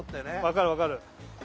かる分かる。